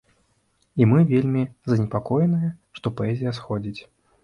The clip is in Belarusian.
І мы вельмі занепакоеныя, што паэзія сыходзіць.